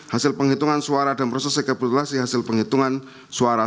hasil penghitungan suara dan proses rekapitulasi hasil penghitungan suara